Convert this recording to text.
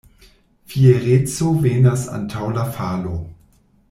Fiereco venas antaŭ la falo.